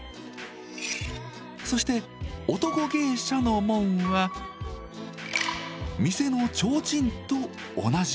そして男芸者の紋は店のちょうちんと同じ。